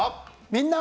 「みんな！